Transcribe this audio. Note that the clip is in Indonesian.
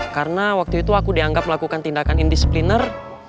karena waktu itu aku dianggap melakukan tindakan indispliner